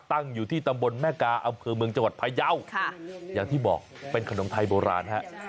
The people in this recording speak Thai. ตั้งอยู่ที่ตำบลแม่กาอำเภอเมืองจังหวัดพายาวอย่างที่บอกเป็นขนมไทยโบราณฮะ